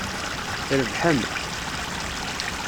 Trebḥem.